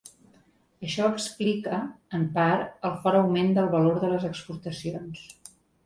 Això explica, en part, el fort augment del valor de les exportacions.